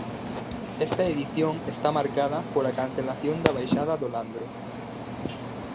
Esta edición está marcada pola cancelación da baixada do Landro.